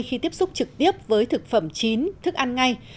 khi tiếp xúc trực tiếp với thực phẩm chín thức ăn ngay